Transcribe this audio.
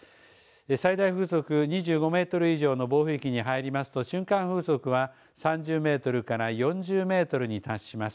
最大風速２５メートル以上の暴風域に入りますと瞬間風速は３０メートルから４０メートルに達します。